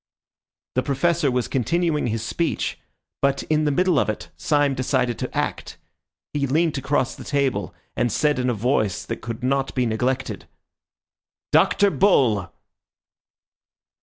The Professor was continuing his speech, but in the middle of it Syme decided to act. He leant across the table, and said in a voice that could not be neglected— "Dr. Bull!"